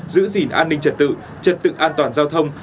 giữ gìn an ninh trật tự trật tự an toàn giao thông